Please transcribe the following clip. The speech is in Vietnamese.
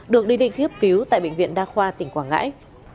được đi định khiếp cứu tại bệnh viện đa khoa tỉnh quảng ngãi